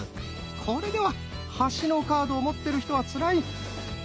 これでは端のカードを持ってる人はつらい！